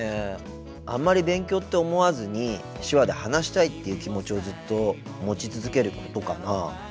あんまり勉強って思わずに手話で話したいっていう気持ちをずっと持ち続けることかな。